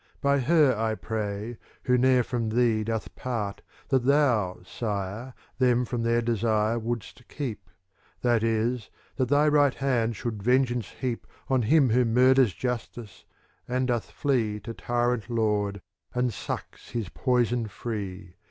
By her I pray, who ne'er from thee doth part, That thou. Sire, them from their desire would'st keep; That is, that thy right hand should vengeance heap * On him who murders justice, and doth flee To tyrant lord, and sucks his poison free.